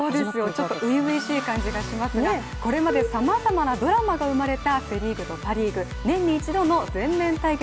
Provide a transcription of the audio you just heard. ちょっと初々しい感じがしますが、これまでさまざまなドラマが生まれたセ・リーグとパ・リーグ、年に一度の、全面対決。